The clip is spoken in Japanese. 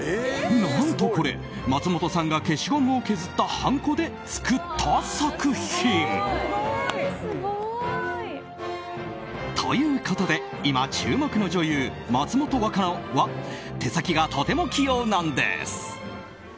何とこれ、松本さんが消しゴムを削ったはんこで作った作品。ということで、今注目の女優松本若菜は手先が、とても器用なんです。